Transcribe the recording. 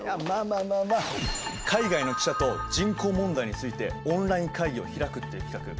まあまあまあまあ海外の記者と人口問題についてオンライン会議を開くっていう企画。